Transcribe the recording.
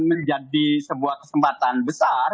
menjadi sebuah kesempatan besar